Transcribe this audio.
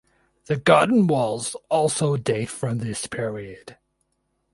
The garden walls also date from this period.